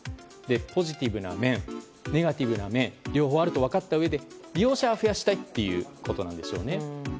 ポジティブな面ネガティブな面両方あると分かったうえで利用者は増やしたいということなんでしょうね。